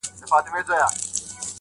ښه په ټینګه مي تعهد ور سره کړی,